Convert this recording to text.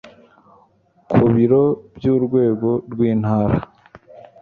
ku Biro by urwego rw Intara